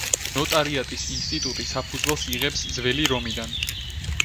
ნოტარიატის ინსტიტუტი საფუძველს იღებს ძველი რომიდან.